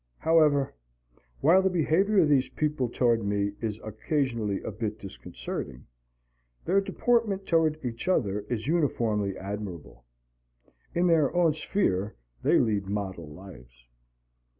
However, while the behavior of these people toward me is occasionally a bit disconcerting, their deportment toward each other is uniformly admirable. In their own sphere they lead model lives.